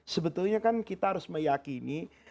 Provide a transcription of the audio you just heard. sebetulnya kan kita harus meyakini